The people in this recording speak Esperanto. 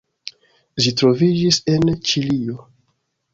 Ĝi troviĝis en Ĉilio.